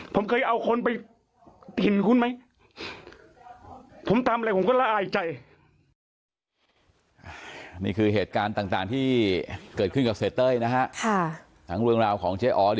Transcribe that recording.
ผมเคยเอาคนไปกินคุณไหม